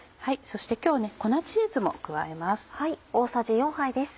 そして今日粉チーズも加えます。